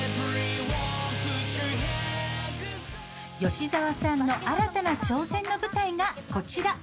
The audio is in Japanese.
吉澤さんの新たな挑戦の舞台が、こちら。